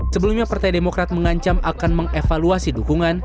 sebelumnya partai demokrat mengancam akan mengevaluasi dukungan